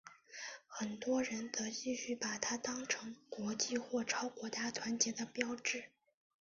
很多人则继续把它当成国际或超国家团结的标志。